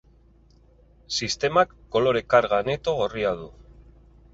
Sistemak kolore karga neto gorria du.